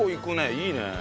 いいね。